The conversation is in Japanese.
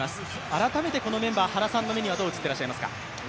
改めてこのメンバー、原さんの目にはどう映っていらっしゃいますか？